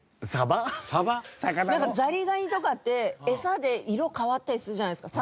なんかザリガニとかってエサで色変わったりするじゃないですか。